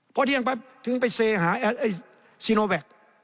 เพราะเดี่ยงปั๊บถึงไปเซหาสิโนแวค